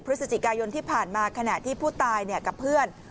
พฤศจิกายนที่ผ่านมาขณะที่ผู้ตายกับเพื่อน